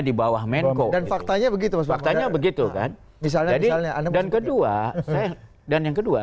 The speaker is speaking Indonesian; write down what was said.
di bawah mondeo dan faktanya begitu sepatunya gitu kalau misalnya dan kedua dan yang kedua